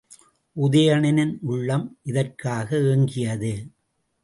உதயணனின் உள்ளம் இதற்காக ஏங்கியது.